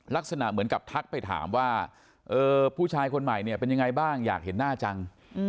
ลักษณะเหมือนกับทักไปถามว่าผู้ชายคนใหม่เนี่ยเป็นยังไงบ้างอยากเห็นหน้าจัง